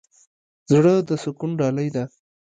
زړه د سکون ډالۍ ده.